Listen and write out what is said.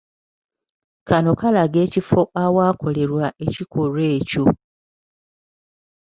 Kano kalaga ekifo awaakolerwa ekikolwa ekyo.